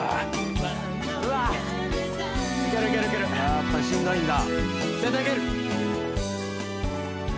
やっぱりしんどいんだ。